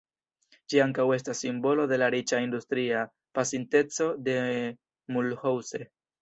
Ĝi ankaŭ estas simbolo de la riĉa industria pasinteco de Mulhouse.